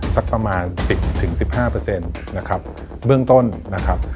สักประมาณ๑๐๑๕เบื้องต้นนะครับ